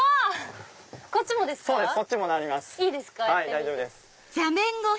大丈夫です。